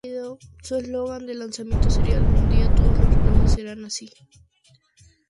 Su eslogan de lanzamiento sería "Algún día, todos los relojes serán así".